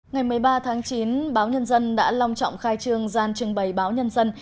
ngày một mươi ba tháng chín báo nhân dân đã long trọng khai trương gian trưng bày báo nhân dân